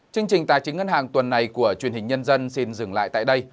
chương trình tài chính ngân hàng tuần này của truyền hình nhân dân xin dừng lại tại đây